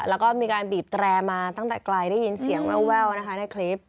แล้วก็มีการบีบแตรมาตั้งแต่ไกลได้ยินเสียงแววนะคะในคลิป